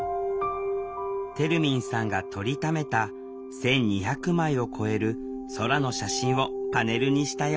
てるみんさんが撮りためた１，２００枚を超える空の写真をパネルにしたよ